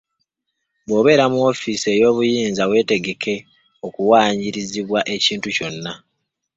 Bw'obeera mu woofiisi ey'obuyinza weetegeke okuwaayirizibwa ekintu kyonna.